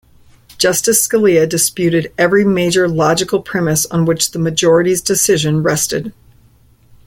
Justice Scalia disputed every major logical premise on which the majority's decision rested.